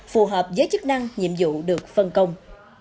phù hợp với chức năng nhiệm vụ được phân công